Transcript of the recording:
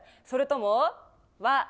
それとも私？